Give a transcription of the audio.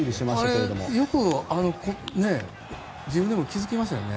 あれ、よく自分でも気付きましたよね。